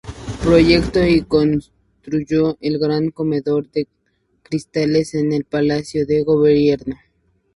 Proyectó y construyó el gran comedor de cristales en el palacio de gobierno.